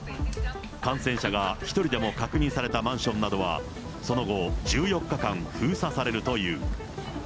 感染者が１人でも確認されたマンションなどは、その後、１４日間封鎖されるという。